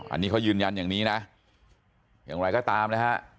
อันนี้เขายืนยันอย่างนี้นะอย่างไรก็ตามนะฮะ